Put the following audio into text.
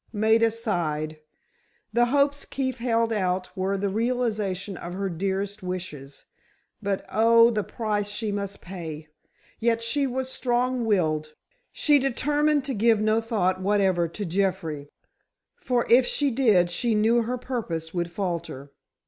Maida sighed. The hopes Keefe held out were the realization of her dearest wishes—but, oh, the price she must pay! Yet she was strong willed. She determined to give no thought whatever to Jeffrey, for if she did she knew her purpose would falter.